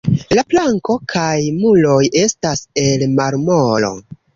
La planko kaj muroj estas el marmoro.